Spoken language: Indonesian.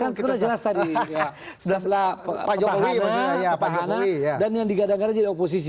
ya kan itu udah jelas tadi ya sebelah pahana dan yang digadangkan jadi oposisi